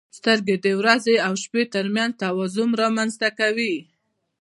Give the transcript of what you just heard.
• سترګې د ورځې او شپې ترمنځ توازن رامنځته کوي.